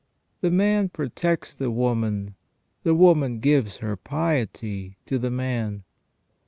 The man protects the woman, the woman gives her piety to the man.